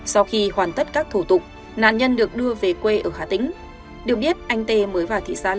sau khi hoàn tất các thủ tục nạn nhân được đưa về quê ở hà tĩnh